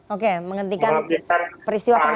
oke menghentikan peristiwa penganiakan